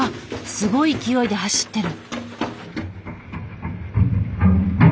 すごい勢いで走ってる。